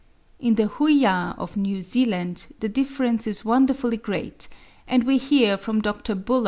In the Huia of New Zealand the difference is wonderfully great, and we hear from Dr. Buller (3.